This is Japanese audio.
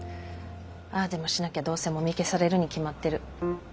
ああでもしなきゃどうせもみ消されるに決まってる。